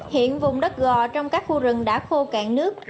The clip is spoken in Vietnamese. hiện vùng đất gò trong các khu rừng đã khô cạn nước